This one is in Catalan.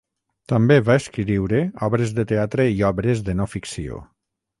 També va escriure obres de teatre i obres de no ficció.